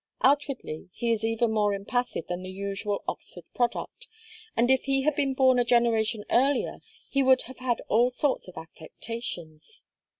Outwardly he is even more impassive than the usual Oxford product, and if he had been born a generation earlier he would have had all sorts of affectations.